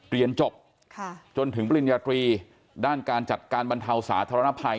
เรียนจบจนถึงปริญญาตรีด้านการจัดการบรรเทาสาธารณภัย